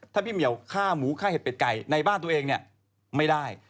ถ้าพี่เหมียวฆ่าหมูฆ่าเห็ดเป็ดไก่ในบ้านตัวเองเนี่ยไม่ได้